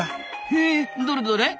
へえどれどれ？